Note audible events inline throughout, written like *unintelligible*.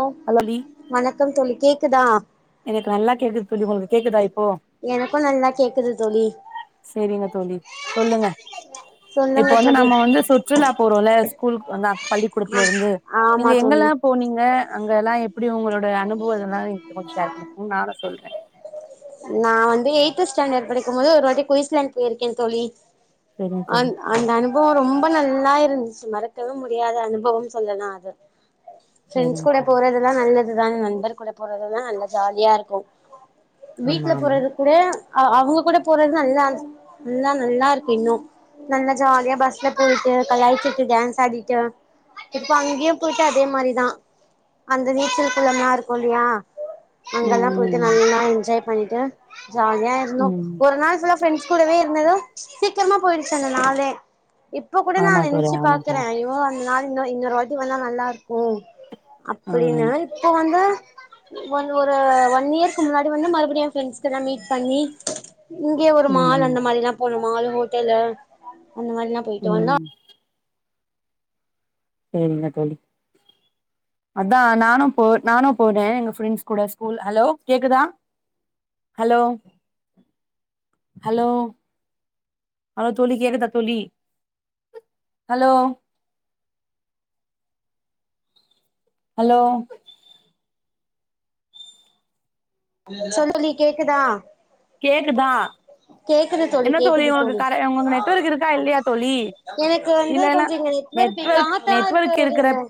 ஓ hello தோழி வணக்கம் தோழி கேக் க்குதா எனக்கு நல்லா கேக்குது தோழி உங்களுக்கு கேக்குதா இப்போ எனக்கு நல்லா கேக்குது தோழி சேரிங்க தோழி சொல்லுங்க இப்ப சொல்லுங்க வந்து தோழி நம்ம வந்து சுற்றுலா போறோம்ல ஸ்கூல்கு பள்ளிக்கூடத்துல இருந்து ஆ ஆமா நீங்க தோழி எங்கெல்லா போனீங்க அங்கல்லா எப்டி அப்டி உங்களோட அனுபவம் எதெல்லாம் கொஞ்ச ஷேர் பண்ணுங்க நானு சொல்றே நா வந்து எயித் ஸ்டாண்டர்ட் படிக்கும் போது ஒரு வாட்டி குயிஸ்லாண்ட் போயிருக்கே தோழி சேரிங்க தோழி அந் அந்த அனுபவம் ரொம்ப நல்லா இருக் ருந்துச்சி மறக்கவே முடியாத அனுபவம் சொல்லலா அத ஃபரண்ட்ஸ் சேரிங்க கூட தோழி போறதெல்லா நல்லது அதுதா நண்பர் கூட போறது தா நல்லா ஜாலியா இருக்கும் ஆமா வீட்ல ஆமா போறது கூட அ அவங்க கூட போறது நல்லா நல்லா நல்லா இருக்கு இன்னு நல்லா ஜாலியா பஸ்ல போயிட்டு கலாய்ச்சுட்டு டான்ஸ் ஆடிட்டு இப்ப அங்கேயு போயிட்டு அதே மாரிதா அந்த நீச்சல் குளம் லா இருக்கும் இல்லயா அங்கெல்லா போய்ட்டு ம் நல்லா என்ஜாய் பண்ணிட்டு ஜலியா இருந்தோ ம் ஒரு நாள் ஃபுல்லா ஃபரண்ட்ஸ் கூடவே இருந்ததும் சீக்கிரமா போயிடுச்சு அந்த நாளே இப்ப கூட நா ஆமா தோழி நெனைச்சி ஆமா பாக்குறே தோழி ஐய்யோ அந்த நாள் இன்னு இன்னொரு வாட்டி வந்த நல்லா இருக்கும் ஆ அப்டின்னு இப்போ வந்த ஒன் ஒரு ஒன் இயர்கு முன்னாடி வந்து மறுபடியு எ ஃபரண்ட்ஸ் கெல்லாம் மீட் பண்ணி இங்கேயே ஒரு ம் மால் ம் அந்த மாரிலாம் போனோ மால் ஹோட்டலு அந்த மாரிலா போயிட்டு வந்தோம் ம் செரிங்க தோழி அதா நானு போ நானு போனேன் எங்க ஃபரண்ட்ஸ் கூட ஸ்கூல் ஹலோ கேக்குதா ஹலோ ஹலோ ஹலோ தோழி கேக்குதா தோழி ஹலோ ஹலோ சொல்லுடி கேக்குதா கேக்குதா என்ன தோழி உங்களுக்கு உங்களுக்கு நெட்வொர்க் இருக்கா இல்லையா தோழி எனக்கு வந்து இல்லன கொஞ்சோ இங்க நெட்வொர்க் காத்தா இருக்கு நெட்வொர்க் தோழி இருக்குற இங்க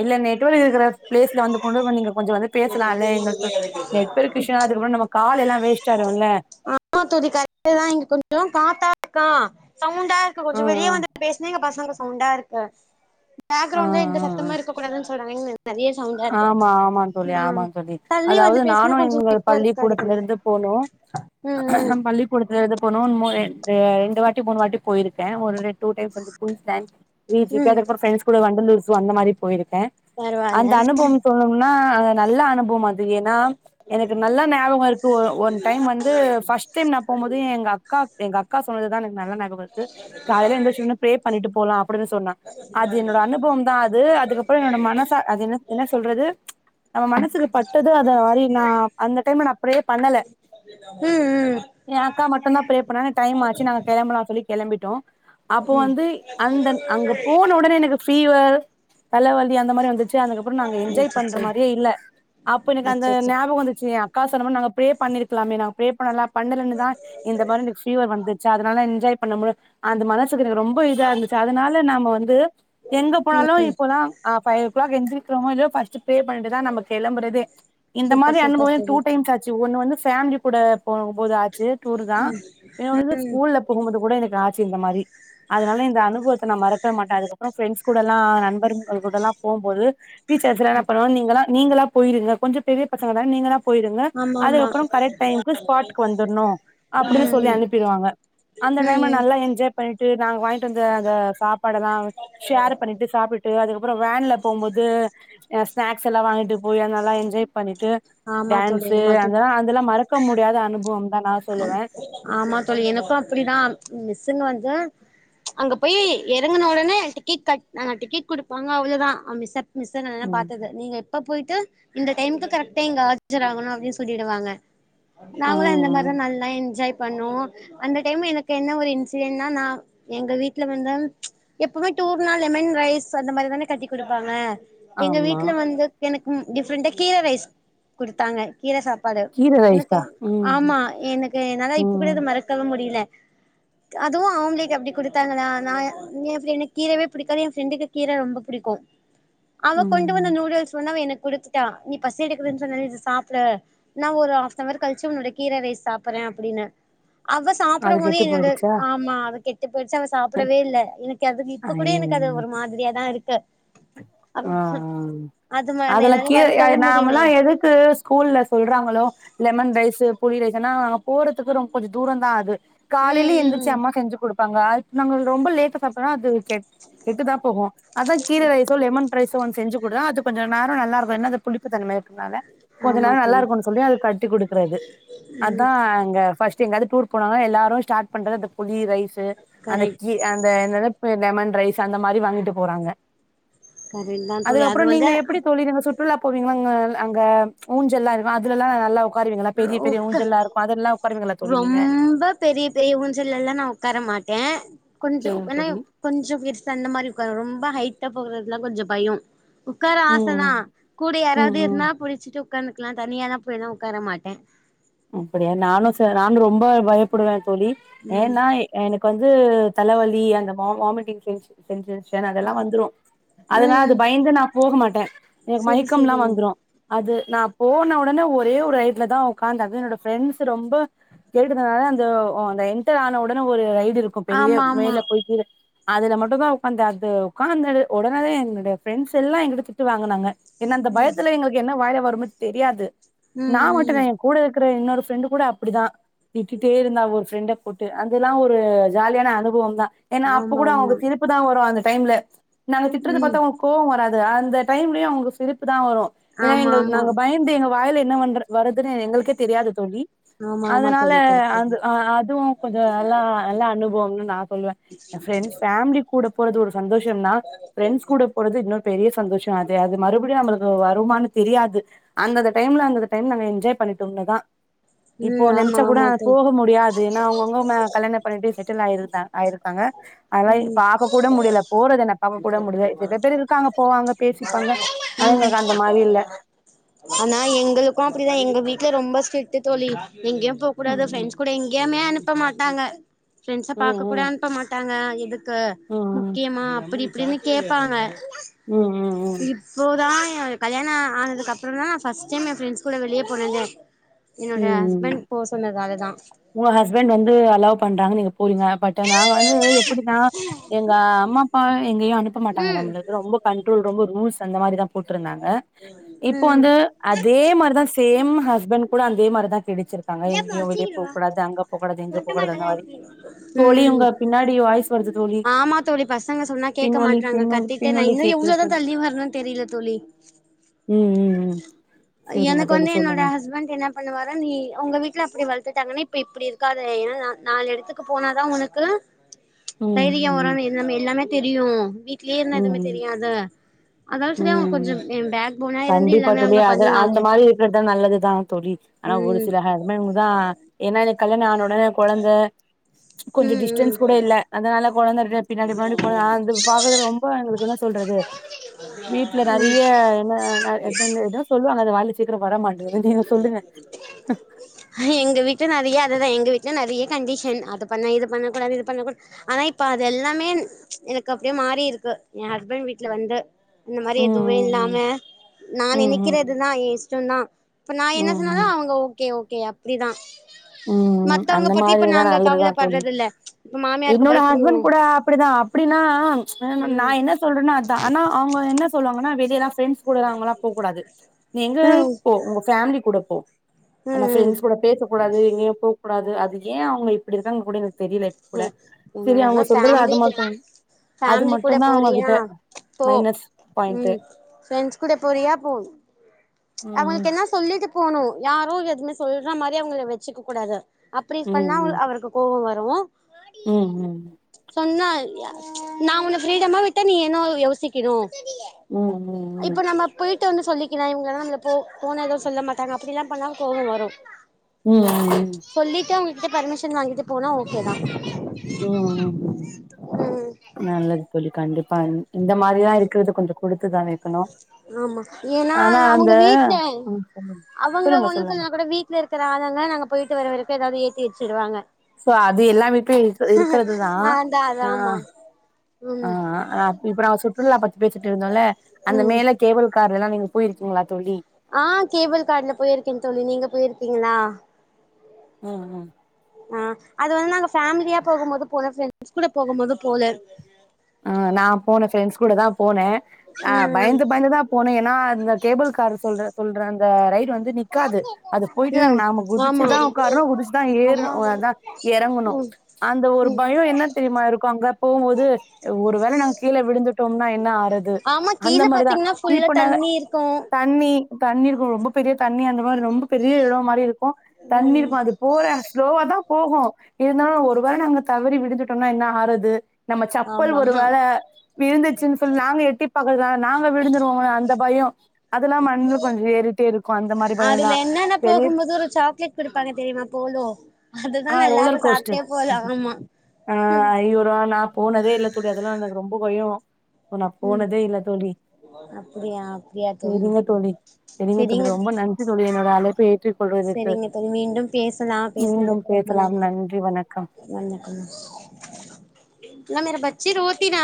இல்ல நெட்வொர்க் இருக்கிற பிளேஸ்ல வந்து கொண்டு நீங்க கொஞ்சோ வந்து பேசலா லா எங்களுக்கு நெட்வொர்க் *unintelligible* நம்ம கால் எல்லாம் வேஸ்ட் ஆயிடுல்ல ஆமா தோழி கரெட்டு தான் இங்க கொஞ்சோ காத்தா க்க சவுண்டா இருக்கு ஆ கொஞ்சோ வெளிய ஆ வந்துட்டு பேசினிங்க பசங்க சவுண்டா இருக்கு ஆ பேக்கிரவுண்டல எந்த சத்தமு இருக்க கூடாது *unintelligible* ஆமா ஆமா தோழி ஆமா தோழி தள்ளி வந்து அதாவுது நா பேசுனா நானு கொஞ்சோ எங்க நெட்வொர்க் கெடைக்குமே பள்ளிக்கூடத்துலருந்து போணோ ம் ம் பள்ளிக்கூடத்துல ந்து *unintelligible* ரெண்டு வாட்டி மூணு வாட்டி போயிருக்கே ஒரு ரெ டூ டைம்ஸ் வந்து கூப்டன் நீ ம் ப்ரண்ட்ஸ் கூட வண்டலூர் ஜூ அந்த மாரி போயிருக்கே பரவால்ல அந்த அனுபவம் சொல்னும்னா அது நல்ல அனுபவம் தா ஏனா எனக்கு நல்ல நயாபகம்ருக்கு ஒன் டைம் வந்து ஃபஸ்ட் டைம் நா போம்போது எங்க அக்கா எங்க அக்கா சொன்னதுதா எனக்கு நல்லா நயாபகம்ருக்கு காலைல எந்திருச்சுவுடணே ப்ரே பண்ணிட்டு போலா அப்டின்னு சொன்னே அது என்னோட அனுபவம்தா அது அதுக்கப்பறோ என்னோட மனசா என்ன என்ன சொல்றது நம்ம மனசுக்கு பட்டது அத மாரி நா அந்த டைம்ல நா ப்ரே பண்ணல உம் உம் அக்கா மட்டுந்தா ப்ரே பண்ண டைம் ஆச்சு நாங்க கிளம்பலா சொல்லி கெளம்பிட்டோ அப்போ வந்து அந்த அங்க போன உடனே எனக்கு ஃபீவர் தலவலி அந்த மாரி வந்து சே அதுக்கப்றோ நாங்க என்ஜாய் பண்ற அச்சச்சோ மாரியே இல்ல அப்ப எனக்கு அந்த அச்சச்சோ நியாபகம் வந்துச்சு அக்கா சொன்னமேரி ப்ரே பண்ணிருக்லாமே ப்ரே பண்ணலாப் பண்ணலனுதா இந்த மாரி பீவர் வந்துச்சு அதனால என்ஜாய் பண்ண முடியு அந்த மாரி மனசுக்கு ரொம்ப இதா இருந்துச்சு அதனால நாம வந்து எங்க ம் போனாலு இப்போலா அஹ் பய இருக்றமோ இல்லியோ ஃபர்ஸ்ட் பே பண்ணிட்டுதா நம்ம கிளம்றதே இந்த மாரி சூப்பர் சூப்பர் அனுபவம் டூ தோழி டைம்ஸ் ஆச்சு ஒண்ணு வந்து ஃபேமிலி கூட போகும் போது ஆச்சு டூர்தா என் வந்து ம் ஸ்கூல்ல போம்போது கூட எனக்கு ஆச் சி இந்த மாரி அதனால இந்த அனுபவத் நா மறக்வே மாட்ட அதுக்கப்றொ ப்ரெண்ஸ் கூடலா நண்பர் கள் கூடலா போம்போது டீச்சர்ஸ் எல்லா என்னா பண்ணுவ நீங்களா நீங்களா போயிருங்க கொஞ்ச பெரிய பசங்கதா நீங்களா போயிருங்க ஆமா ஆமா அதுக்கப்புறொ கரைட் டைம்கு ஸ்பாட்கு வந்துர்னு அப்புடி சொல்லி ம் அனுப்பிருவாங்க அந்த டைம்ல ம் நல்லா என்ஜாய் பண்ணிட் டு நாங் வாயின்ட்டு வந்த அந்த சாப்பாடலா ஷேர் பண்ணிட்டு சாப்ட்டுட்டு அது புற வேன்ல போம்போது எ ஸ்நேக்ஸ் எல்லா வாங்கிட்டு போய் அத் நல்லா என்ஜாய் பண்ணிட்டு ஆமா தோழி டேன்சு ஆமா தோழி அதுலா அதுலா மறக்க முடியாத னுபொ ஆமா தோழி எனக்கு அப்புடிதா மிஸ் சின் வந்து அங்க பொயி எறங்குன ஒடனே டிக்கெட் கட் நாங்க டிக்கெட் கொடுப்பாங்க அவுளோ தா அ மிஸ்ச மிஸ்சனனென்ன ம் பாத்தது நீங்க எப்ப பொய் து இந்த டைம்க்கு கரெக்டா இங்க ஆஜரகணும் அப்டின்னு சொல்லிடுவாங்க ஆ நாங்களும் இந்த மார் அ என்ஜாய் பண்ணோ அந்த டைம் எனக்கு என்ன ஒரு இன்சிடென்ட்னா நா எங்க வீட்ல வந்த ம் எப்பமே டூர்னா லெமன் ரைஸ் அந்த மாரி தானே கட்டி குடுப்பாங்க எங்க ஆமா வீட்ல வந்துக் எனக் ம் டிஃப்ரெண்டா கீர ரைஸ் குடுத்தாங்க கீர சாப்பாடு கீர எனக்கு ரைஸா ம் ஆமா எனக்கு என்னால இப்ப கூட ம் அத மறக்கவும் முடியில அதுவும் ஆம்லேட் அப்டி குடுத்தாங்கனா நா என் நே *unintelligible* கீரவே பிடிக்காது என் ஃப்ரெண்டுக்கு கீர ரொம்ப புடிக்கும் அவ கொண்டு வந்த ம் நூடுல்ஸ் வந்து அவ எனக் குடுத்துட்டா நீ பசி எடுக்குதுன்னு சொன்னல்ல இது சாப்ட நா ஒரு ஹாஃப் னவர் கழிச்சு உன்னோட கீர ரைஸ் சாப்புறே அப்புடின்ன அவ அது சாப்புடும் போதே கெட்டு என்னோட போயிடுச்சா ஆமா அது கெட் போயிடுச்சா அவ சாப்டவே இல்ல எனக்கு அதுக்கு இப்ப கூட ஐயயோ எனக்கு அது ஒரு மாதிரியா தா இருக் ஆ ஆ அது அதுல என்னால கீ அ மறக்கவு முடியல நாமல்லா எதுக்கு ஸ்கூல்ல சொல்றாங்களோ லெமன் ரைஸு புளி ரைஸுன்னா அங்க போறதுக்கு ரொம் கொஞ்ச தூரந்தா அது ம் காலைல எந்துர்ச்சி ம் அம்மா செஞ்சி குடுப் பாங்க ஆல்ட் நாங்க ரொம்ப லேட்டு சாப்ட்டோனா அது கெட் கெட்டுதா போகு கீர ரைஸு லெமன் ரைஸ் ஒன் செஞ்சு குடுத்தா அது கொஞ்ச நேரோ நல்லாருக்கும் என்ன அந்த புளிப்புத்தன்ம இருக்கனால கொஞ்ச ஆமா நேரோ தோழி நல்லாருக்குன்னு சொல்லி அது கட்டி குடுக்குறது அதா அங்க ஃபஸ்ட் சி எங்காது டூர் போனாங்கனா எல்லாரும் ஸ்டாட் பண்றது அந்த புளி ரைஸ் து அந்த கரெக்ட் கீ அந்த என்னது லெமன் ரைஸ் அந்த மாரி வாங்கிட்டு போறாங்க கரெக்ட் தா தோழி அதுக்கப்றோ அது வந்து நீங்க எப்டி தோழி நீங்க சுட் டூர்லா போவீங்கல்ல அங்க அங்க ஊஞ்சல்லாம் இருக்கும் அதுலல்லா நல்லா உக்காருவீங்களா பெரிய பெரிய உக்கா ஊஞ்சல்லா இருக்கு அதெல்லா உக்காருவீங்களா தோழி நீங்க ரொம்ப பெரிய பெரிய ஊஞ்சல்லலா நா உக்கார மாட்டேன் கொஞ்சோ சேரிங் ஏன்னா தோழி கொஞ்சோ பெருசு அந்த மாரி உக்காருவே ரொம்ப ஹைட் எட்ட போகறதுலா கொஞ்சோ பயோ உக்கார ஆச ம் தா கூட ம் யாராவது ம் இருனா புடிச்சிட்டு உக்காந்துக்குலா தனியாலா போய்லா உக்கார மாட் டேன் அப்டியா நானு ச நானு ரொம்ப பய புடுவ தோழி ம் ஏன்னா எனக் வந்து தலவலி அந்த வா வாமிட்டிங் சென்சு சென்சஸ் அதெல்லா வந்துரும் அதனா அது ம் பயந்து நா போக மாட் ட எனக்கு செரி மயக்கம்லா செரிங்க வந்துரும் அது நா போன உடனே ஒரே ஒரு இதுல தா உக் உக்காந்தே அதும் என்னோட ஃப்ரெண்ட்ஸ் ரொம்ப கேட்டதுனால அந்த அந்த என்டர் ஆனவுடனே ஒரு ரை இருக்கும் பெரிய ஆமா ஆமா மேல போயிட்டு அதுல மட்டும்தா உக்காந்தே அது உக்காந்தது உடனே என்னுடைய ஃப்ரெண்ட்ஸ் எல்லா எங்கிட்ட திட்டு வாங்குனாங்க என்ன அந்த பயத்துல எங்களுக்கு என்ன வாயில வரு ஒன்னு தெரியாது நா ம் மட்டு இல்ல ம் என் கூட இருக்குற இன்னொரு ஃப்ரெண்டு கூட அப்டிதா திட்டிட்டே இருந்தா ஒரு ஃப்ரெண்ட போட்டு அதெல்லா ஒரு ஜாலியான அனுபவம் தா ஏன்னா அப்ப ஆமா கூட ஆமா அவங்க சிரிப்பு தா வரும் அந்த டைம்ல நாங்க திட்டுறத ம் பாத்தா உங் கோவோ வராது அந்த டைம்லயும் அவங்களுக்கு சிரிப்பு தா வரும் ஏன்னா ஆமா எங்க ஆமா நாங்க பயந்து எங்க வாயில என்ன வந்துரு வரு *unintelligible* எங்களுக்கே தெரியாது தோழி. ஆமா ஆமா அதனால தோழி கரெக்ட் அது தோழி அஹ அதுவும் கொஞ்சோ நல்லா நல்ல அனுபவம்னு நான் சொல்லுவேன். என் ஃப்ரெண்ஸ் ஃபேமிலி கூட போறது ஒரு சந்தோஷம்னா ஃப்ரெண்ட்ஸ் கூட போறது இன்னொரு பெரிய சந்தோஷம் அது அது மறுபடியும் நம்மளுக் கு வருமானு தெரியாது அந்த அந்த டைம்ல அந்த டைம் நாம என் என்ஜாய் பண்ணிட்டோம்னுதா. இப்போ ம் ஆமா நெனைச்சா கூட ஆமா தோழி போக முடியாது ஏன்னா அவுங்கவுங்க கல்யாண பண்ணிட்டு செட் செட்டில் ஆயிருந்தாங் ஆயிருக்காங்க. அதுனால ம் பாக்க கூட முடில போறது என்ன பாக்க கூட முடில சில பேர் இருக்காங்க போவாங்க பேசிப்பாங்க ஆனா ம் எங்களுக்கு அந்த மாரி இல்ல. ஆனா எங்களுக்கு அப்டிதா எங்க வீட்ல ரொம்ப ஸ்டிரிக்ட் தோழி. எங்கயும் போக கூடாது ம் ஃப்ரண்ட்ஸ் கூட எங்கயுமே அனுப்ப மாட் டாங்க. ஃப்ரெண்ட்ஸ பாக்க கூட ம் அனுப்பமாட்டாங் க இது எதுக்கு ம் ம் ம் முக்கியமா அப்டி இ இப்டின்னு கேப்பாங்க ம் ம் ம் இப்போதான் கல்யாணம் ஆனதுக்கு அப்றம் தான் நா ஃபர்ஸ்ட் டைம் என் ஃப்ரெண்ட்ஸ் கூட வெளிய போனதே என்னுடய ம் ம் ஹஸ்பண்ட் போ சொன்னதாலதான் உங்க ஹஸ்பண்ட் வந்து அலவ் பண் றாங்க நீங்க போறீங்க பட் நா வந்து எப்டினா எங்க அம்மா அப்பா எங்கயும் அனுப்ப மாட்டாங்க ம் நம்மளுக்கு ரொம்ப கண்ட்ரோல் ரொம்ப ரூல்ஸ் அந்த மாரி தான் போட்ருந்தாங்க இப்போ ம் வந்து அதே மாரிதான் சேம் ஹஸ்பண்ட் கூட அதேமாரி தான் பிடிச்சிருக்காங்க எங்கயும் வெளிய போ கூடாது அங்க போக்கூடாது இங்க போக்கூடாது அந்த மாரி தோழி உம் உங்க பின்னாடி வாய்ஸ் வருது தோழி ஆமா தோழி பசங்க சொன்னா கேக்க பின்னொலி மாட்றாங்க பின்னொலி கத்திட்டே நா பின்னொலி இன்னும் கேக்குது எவ்ளோதான் தோழி தள்ளி வரணும்னு தெரில தோழி ம் ம் ம் சேரிங்க எனக்கு தோழி வந்து என்னோட சொல்லுங்க ஹஸ்பண்ட் என்ன பண்ணுவாரு நீ உங்க வீட்ல அப்டி வளத்துட்டாங்கன்னா இப்ப இப்டி இருக்காத ஏன்னா நாலு எடத்துக்கு போனாதான் உனக்கு ச் ம் தைரியம் வரும் ம் நம்ம எல்லாமே எல்லாமே தெரியும் வீட் லயே இருந்தா எதுமே தெரியாது அதால சரி அவங்க உம் கொஞ்சோ பேக் போனா இருந்து கண்டிப்பா எல்லாமே தோழி அவங்க அது பண்ணுவாங்க அந்த மாரி இருக்கருதான் நல்லதுதான் தோழி ஆனா ஒரு ம் சில ஹஸ் ஸ்பண்டு தான் என்ன எனக் கல்யாண ஆனா உட அ கொழந்த கொஞ்ச ம் ம் டிஸ்டன்ஸ் கூட இல்ல அதனால கொழந்தருக்கே பின்னாடி பின்னாடி கொழ அ இந்து இப்பு பாக்கதே ரொம்ப எங்ளுக்கு என்னா சொல்றது வீட்ல ரறிய என்ன என்ன எதன்னு கேட்டா சொல்லுவா அது வாலு எங்க வீட்ல நறைய அதுதே எங் வீட்ல நறைய கண்டிஷன் அது பண்ண இது பண்ண கூடாது இது பண்ண கூட ஆனா இப்ப அது எல்லாமே எனக்கு அப்டியே மாறி இருக்கு எ ஹஸ்பண் வீட்ல வந்து இந்த மாரி எதுவே இல்லாம ம் நா ம் ம் நெனிக்கிறதுதா ஏ இஸ்ட்டொந்தா இப்ப நா என்ன ம் சொன்னாலு அவுங்க ஓகே கே ஓகே அப்புடிதா ம்ம் அந்த மாரி இந்தா நல்லதுதா தோழி கவலப்பட்றது இல்ல இப்ப மாமியாருக்கு இன்னோட பயப்பட்ணு ஹஸ்பண் கூட அப்படிதா அப்டினா அ மு நா ம் என்ன சொல்றனோ அத்தா அனா அவுங்க என்ன சொல்வாங்கன்னா வெளியலா ப்ரெண்ஸ் கூட அங்கலா போ கூடாது நீங்க எங்க ம் போ உங்க ஃபேம்லி கூட ஒ அனா ம் ஃப்ரெண்ஸ் கூட பேசக் கூடாது கூடாது அது ஏ அவுங்க இப்டி இருக்காங்க குடுன் ஏ *unintelligible* ஃபேம்லி அது மட்டு அது ஃபேம்லி கூட மட்டுந்தா போறியா அவங்ககிட்ட போ மைனஸ் பாயிண்ட்டு உம் ஃப்ரெண்ட்ஸ் கூட போறியா போ ம் அவுகளுக்கென்ன சொல்லிட்டு போகணு யாரோ எதுவுமே சொல்ற மாரி அவுங்கள வச்சிக்க கூடாது அப்டி பண்ணா ம் அவருக்கு கோவம் வரும் ரூ *unintelligible* ம் ம் சொன்னா நா உன்ன ஃப்ரீடமா விட்டா நீ என்னொடது யோசிக்கணும் ம் ம் ம் இப்ப நம்ம போயிட் டு வந்து சொல்லிக்கலா இவுங்களதா நம்மள போ போனா எதுவு சொல்ல மாட்டாங்க அப்புடியெல்லா பண்ணா கோவொ வரூம் ம் ம் ம் சொல்லிட்டு அவுங் கிட்ட பர்மிஷன் வாங்கிட்டு போனா ஓகே தா ம் ம் ம் ம் நல்லது தோழி கண்டிப்பா இந் இந்த மாரிதா இருக்கறது கொஞ்சொ குடுத்துதா வைக்கணு ஆமா ஏனா ஆனா அந்த அவுங்க வீட்ல ம் சொல்லுங்க அவங்க சொல்லுங்க ஒண்ணு சொல்லுங்க சொல்லுலனா கூட வீட்லருக்குற ஆளுங்க நாங்க போயிட்டு வர வர எதாவது ஏத்தி வச்சுருவாங்க சோ அது எல்லா வீட்லயு இர் இருக்றதுதா அதா அதா அ ஆமா ஆ ம் அப் இப்ப நா சுற்றுலா பத்தி பேசிட்டு இருந்தோமில்ல அந்த ம் மேல கேபிள்கார் அங்கெல்லா நீங்க போயிருக்கீங்களா தோழி ஆ கேபிள் கார்ல போயிருக்கேன் தோழி நீங்க போயிருக்கீங்களா ம் ம் ஆ அது வந்து நாங்க ஃபேமிலியா போகும் போது போன ஃப்ரெண்ட்ஸ் கூட போகும் போது போல ஆ நா போனே ஃப்ரெண்ட்ஸ் கூட தா போனே ஆ ம் பயந்து பயந்துதா போனே ஏனா இந்த கேபிள் காரு சொல்ற சொல்ற அந்த ரை டு வந்து நிக்காது அது போயிட்டுதா ம் நாம ஆமா குதுச்சுதா உக்காரணு குதுச்தா ஏறணு அதா எறங்கணு ம் அந்த ஒரு பயொ என்ன தெரிமா இருக்கூ அங்க போம்போது ஒருவேல நாங் கீழ விழுந்துட்டோன்னா என்ன ஆறது ஆமா அந்த கீழ மாரிதா பாத்தீங்கன்னா ஃபுல்லா இப்ப நா தண்ணி இருக்கு தண்ணி இ தண்ணிருக்கூ ரொம்ப பெரிய தண்ணி அந்த மாரி ரொம்ப பெரிய எடோ மாரி இருக்கூ ம் தண்ணிருக்கூ அது போற ஸ்லோவா தா போகு இருந்தாலு ஒரு வேல நாங்க தவறி விழுந்துட்டொன்னா என்ன ஆக்றது நம் பல் ஆமா ஒரு வேல விழுந்துச்சுன் சொல் நாங்க எட்டி பாக்கறதா நாங்க விழுந்துருவோமா அந்த பயோ அதெல்லா மண்ல கொஞ்சொ ஏறிட்டேருக்கூ அந்த மாரி அதுல பயொல்லா என்னன்ன பெரிய போகும்போது ஒரு சாக்லேட் குடுப்பாங்க தெரியுமா போலோ அதுதா ஆ நல்லாருக்கு ரோலர் கோஸ்ட்ரு சாப்ட்டே போலா ஆமா ஆ ஐயூருவா நாப் போனதேல்ல தோழி அதெல்லா எனக்கு ரொம்ப பயோ பொ நா ம் போனதே இல்ல தோழி அப்டியா அப்டியா செரிங்க செரி தோழி செரிங்க தோழி ரொம்ப நன்றி தோழி என்னோட அழைப் பேற்றுக் செரிங்க தோழி மீண்டும் பேசலா மீண்டும் பேசுனதுக்கு ரொம்ப பேசலாம் நன்றி வணக்கம் வணக்கம் லா மேர பச் சி ரோத்தினா